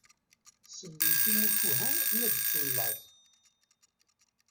Sellen timucuha akken ad ttun laẓ.